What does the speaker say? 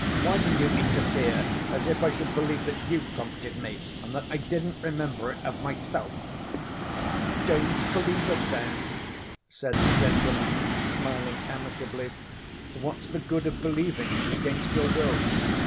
Why do you interfere, as if I should believe that you prompted me, and that I didn't remember it of myself?" "Don't believe it then," said the gentleman, smiling amicably, "what's the good of believing against your will?